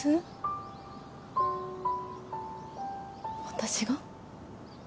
私が？